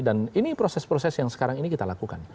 dan ini proses proses yang sekarang ini kita lakukan